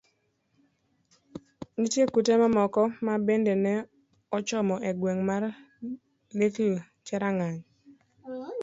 Nitie kute mamoko ma bende ne ochomo e gweng' mar Little Cherangany.